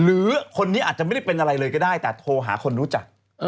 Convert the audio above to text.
หรือคนนี้อาจจะไม่ได้เป็นอะไรเลยก็ได้แต่โทรหาคนรู้จัก